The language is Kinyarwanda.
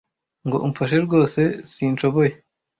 Ngo umfashe rwose sinshoboye